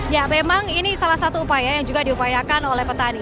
ya memang ini salah satu upaya yang juga diupayakan oleh petani